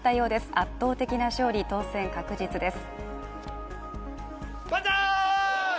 圧倒的な勝利、当選確実です。